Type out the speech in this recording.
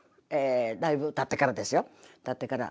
だいぶたってからですよたってから。